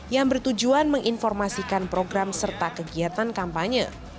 yang bertujuan menginformasikan program serta kegiatan kampanye